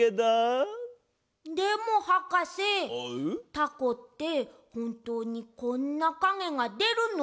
タコってほんとうにこんなかげがでるの？